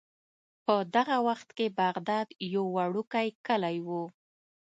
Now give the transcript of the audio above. په دغه وخت کې بغداد یو وړوکی کلی و.